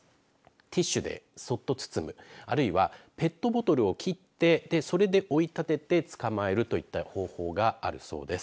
ティッシュでそっと包むあるいはペットボトルを切ってそれで追い立てて捕まえるといった方法があるそうです。